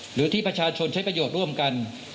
หรือที่ประชาชนใช้ประโยชน์ร่วมกัน